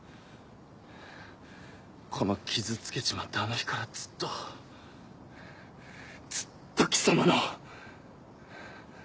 この傷つけちまったあの日からずっとずっと貴様の。